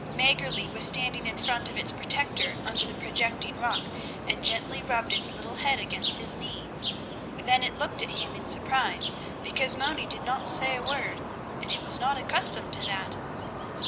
Mäggerli was standing in front of its protector under the projecting rock and gently rubbed its little head against his knee; then it looked up at him in surprise, because Moni did not say a word, and it was not accustomed to that.